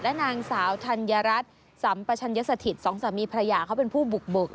และนางสาวธัญรัตน์สำประชัญญสถิตสองสามีพระหย่าเขาเป็นผู้บุกบุก